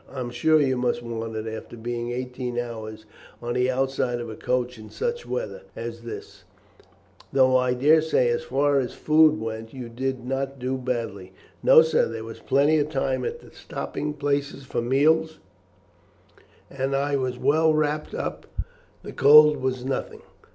I am sure you must want it after being eighteen hours on the outside of a coach in such weather as this, though I daresay as far as food went you did not do badly." "No, sir; there was plenty of time at the stopping places for meals, and as I was well wrapped up the cold was nothing."